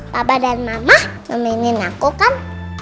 papa dan mama nemenin aku kan